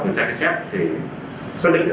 người trẻ trẻ xét thì xác định